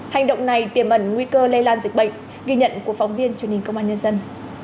hành động này tiềm ẩn nguy cơ lây lan dịch bệnh ghi nhận của phóng viên truyền hình công an nhân dân